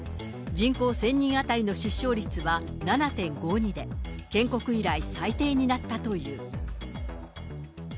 人口１０００人当たりの出生率は７．５２で、建国以来、最低になったという。